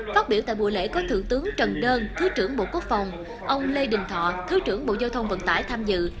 phát biểu tại buổi lễ có thượng tướng trần đơn thứ trưởng bộ quốc phòng ông lê đình thọ thứ trưởng bộ giao thông vận tải tham dự